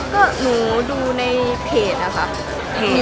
ก็หนูดูในเพจนะคะ